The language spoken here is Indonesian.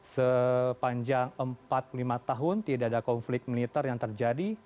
sepanjang empat puluh lima tahun tidak ada konflik militer yang terjadi